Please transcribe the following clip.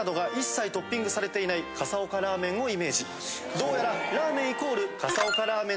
どうやら。